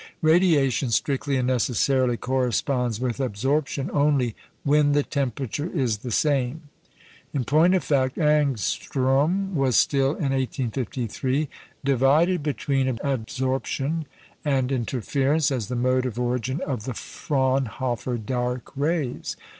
Radiation strictly and necessarily corresponds with absorption only when the temperature is the same. In point of fact, Ångström was still, in 1853, divided between adsorption and interference as the mode of origin of the Fraunhofer dark rays.